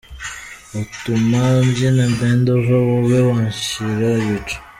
Utuma mbyina bend over wowe wanshira ibicu.